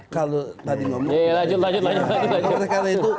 kalau tadi ngomong